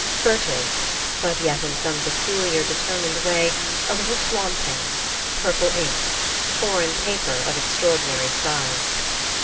Furtive, but yet in some peculiar, determined way a little flaunt ing. Purple ink. Foreign paper of extraordinary size.